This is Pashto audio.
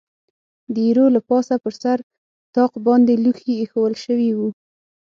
د ایرو له پاسه پر سر طاق باندې لوښي اېښوول شوي و.